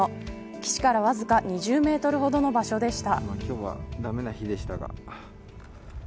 岸からわずか２０メートルほどの場所でした。